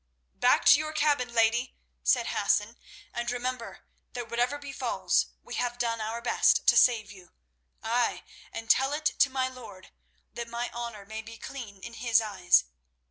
"Back to your cabin, lady," said Hassan, "and remember that whate'er befalls, we have done our best to save you. Ay, and tell it to my lord, that my honour may be clean in his eyes.